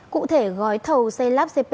cụ thể gói thầu c lab cp một